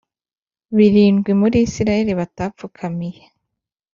birindwi muri Isirayeli batapfukamiye